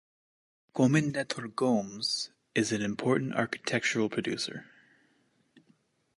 Comendador Gomes is an important agricultural producer.